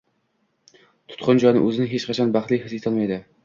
tutqun jon o‘zini hech qachon baxtli his etolmaydi